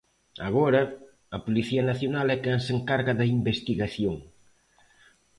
Agora, a Policía Nacional é quen se encarga da investigación.